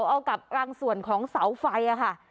เอากับรังส่วนของเสาไฟค่ะ